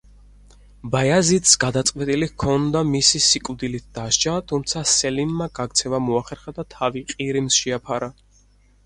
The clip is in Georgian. ბაიაზიდს გადაწყვეტილი ჰქონდა მისი სიკვდილით დასჯა, თუმცა სელიმმა გაქცევა მოახერხა და თავი ყირიმს შეაფარა.